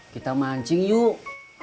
kita mancing yuk